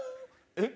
えっ？